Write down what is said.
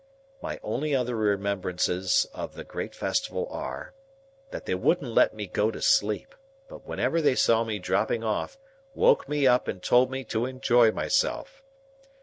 My only other remembrances of the great festival are, That they wouldn't let me go to sleep, but whenever they saw me dropping off, woke me up and told me to enjoy myself.